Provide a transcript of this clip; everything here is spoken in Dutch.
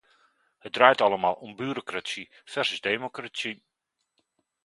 Het draait allemaal om bureaucratie versus democratie.